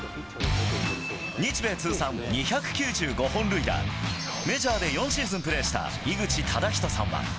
日米通算２９５本塁打、メジャーで４シーズン、プレーした井口資仁さんは。